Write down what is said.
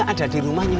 gada jatuh cuma tv nah